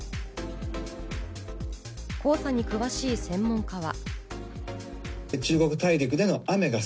黄砂に詳しい専門家は。